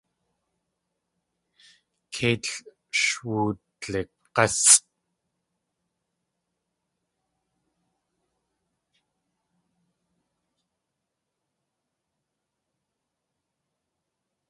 Keitl sh wudlig̲ásʼ.